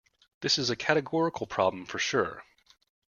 This is a categorical problem for sure.